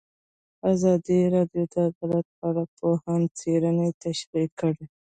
ازادي راډیو د عدالت په اړه د پوهانو څېړنې تشریح کړې.